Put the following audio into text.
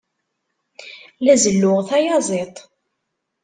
La zelluɣ tayaziḍt.